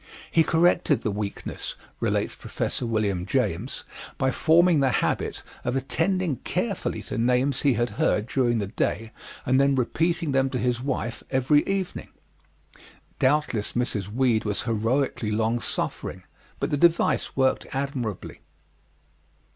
He corrected the weakness, relates Professor William James, by forming the habit of attending carefully to names he had heard during the day and then repeating them to his wife every evening. Doubtless Mrs. Weed was heroically longsuffering, but the device worked admirably.